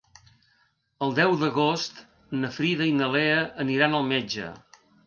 El deu d'agost na Frida i na Lea aniran al metge.